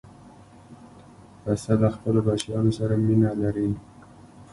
پسه له خپلو بچیانو سره مینه لري.